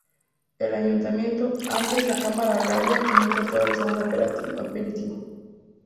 El ayuntamiento, antes la Cámara Agraria, invita a todos a un aperitivo.